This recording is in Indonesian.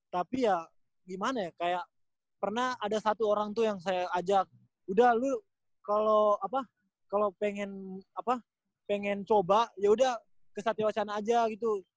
tapi ya gimana ya kayak pernah ada satu orang tuh yang saya ajak udah lo kalau apa kalau pengen apa pengen coba yaudah kesatiawacana aja gitu